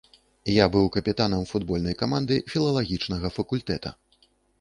Я быў капітанам футбольнай каманды філалагічнага факультэта.